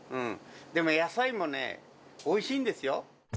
でも野菜もね、おいしいんですよ。